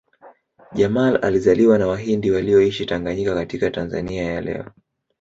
Jamal alizaliwa na Wahindi walioishi Tanganyika katika Tanzania ya leo